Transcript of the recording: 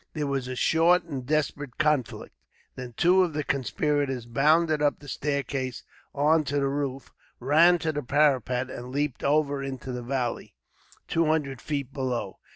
There was a short and desperate conflict. Then two of the conspirators bounded up the staircase on to the roof, ran to the parapet and leaped over into the valley, two hundred feet below.